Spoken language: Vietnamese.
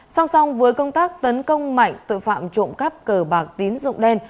song song với công tác tấn công mạnh tội phạm trộm cắp cờ bạc tín dụng đen